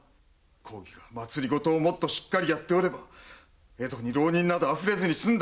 公儀が政をしっかりやっておれば江戸に浪人など溢れずに済んだ。